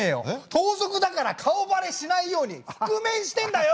盗賊だから顔バレしないように覆面してんだよ！